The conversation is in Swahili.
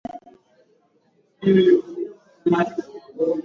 wenyewe walionyesha ustahimilivu zaidi kwa wenye imani nyingine